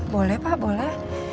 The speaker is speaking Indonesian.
boleh pak boleh